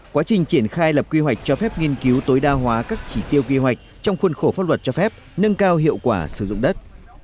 quá trình triển khai lập quy hoạch cho phép nghiên cứu tối đa hóa các chỉ tiêu quy hoạch trong khuôn khổ pháp luật cho phép nâng cao hiệu quả sử dụng đất